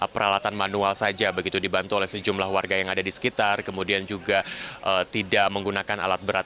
peralatan manual saja begitu dibantu oleh sejumlah warga yang ada di sekitar kemudian juga tidak menggunakan alat berat